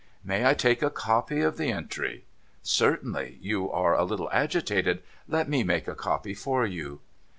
' May I take a copy of the entry ?'' Certainly ! You are a little agitated. Let me make a copy for you.'